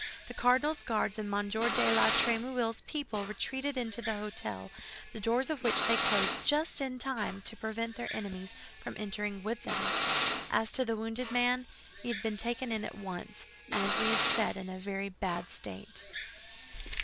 The cardinal's Guards and M. de la Trémouille's people retreated into the hôtel, the doors of which they closed just in time to prevent their enemies from entering with them. As to the wounded man, he had been taken in at once, and, as we have said, in a very bad state.